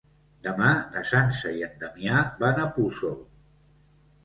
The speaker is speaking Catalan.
Demà na Sança i en Damià van a Puçol.